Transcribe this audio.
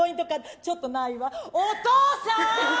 ちょっとないわ、お父さーん？